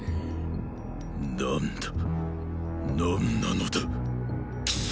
何だ何なのだ貴様